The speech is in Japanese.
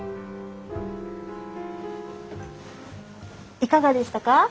いかがでしたか？